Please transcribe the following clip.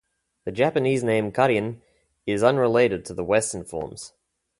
The Japanese name Karin is unrelated to the Western forms.